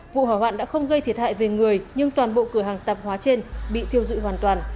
vụ hỏa hoạn đã không gây thiệt hại về người nhưng toàn bộ cửa hàng tạp hóa trên bị thiêu dụi hoàn toàn